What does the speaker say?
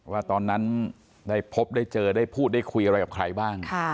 ว่าตอนนั้นได้พบได้เจอได้พูดได้คุยอะไรกับใครบ้าง